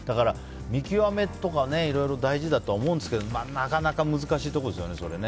見極めとかいろいろ大事だと思うんですがなかなか難しいところですよね。